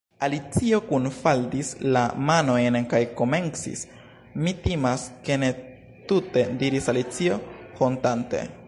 Alicio kunfaldis la manojn kaj komencis: "Mi timas ke ne tute " diris Alicio hontante.